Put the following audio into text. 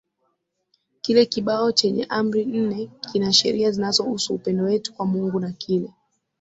Kile kibao chenye Amri nne kina sheria zinazohusu Upendo wetu kwa Mungu na kile